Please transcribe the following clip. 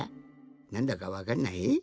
なんだかわかんない？